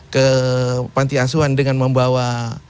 ke pantiasuan dengan membawa